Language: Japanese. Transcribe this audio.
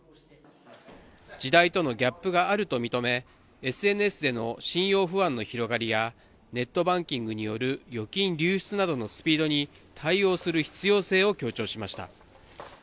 時代とのギャップがあると認め、ＳＮＳでの信用不安の広がりやネットバンキングによる預金流出などのスピードに対応する必要性を強調しました。